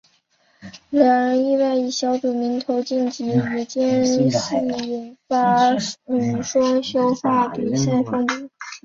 两人意外以小组头名晋级也间接引发女双消极比赛风波。